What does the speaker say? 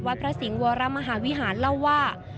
พระสิงห์วรมหาวิหารเล่าว่า